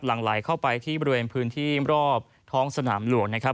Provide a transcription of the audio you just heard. หลังไหลเข้าไปที่บริเวณพื้นที่รอบท้องสนามหลวงนะครับ